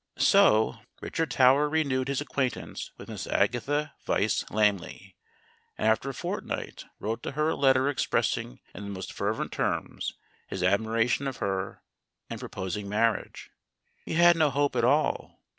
So Richard Tower renewed his acquaintance with Miss Agatha Vyse Lamley, and after a fortnight wrote to her a letter expressing in the most fervent terms his admiration of her and proposing marriage. He had no hope at all.